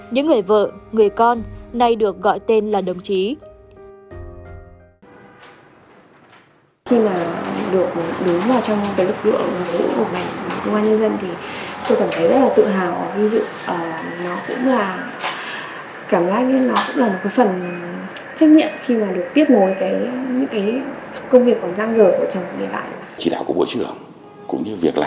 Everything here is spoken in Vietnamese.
những người vợ người con nay được gọi tên là đồng chí